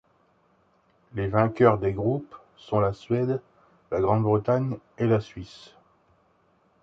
Les vainqueurs des groupes sont la Suède, la Grande-Bretagne et la Suisse.